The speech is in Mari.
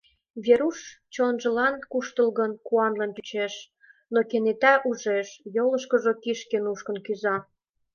Веруш чонжылан куштылгын, куанлын чучеш, но кенета ужеш: йолышкыжо кишке нушкын кӱза.